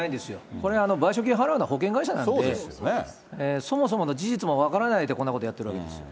これは賠償金払うのは保険会社なので、そもそもの事実も分からないで、こんなことやってるわけですよ。